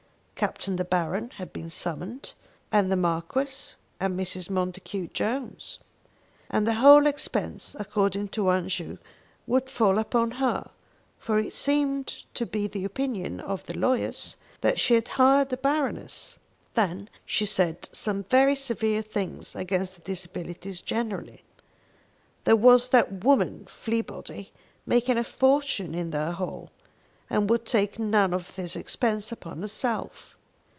Captain De Baron had been summoned, and the Marquis, and Mrs. Montacute Jones. And the whole expense, according to Aunt Ju, would fall upon her; for it seemed to be the opinion of the lawyers that she had hired the Baroness. Then she said some very severe things against the Disabilities generally. There was that woman Fleabody making a fortune in their hall, and would take none of this expense upon herself.